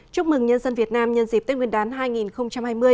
chúc mừng nhân dân việt nam nhân dịp tết nguyên đán hai nghìn hai mươi